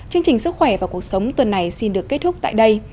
chương trình sức khỏe và cuộc sống tuần này xin được kết thúc tại đây